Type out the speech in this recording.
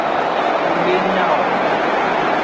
Ng de nya o.